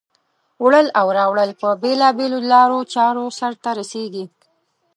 وړل او راوړل په بېلا بېلو لارو چارو سرته رسیږي.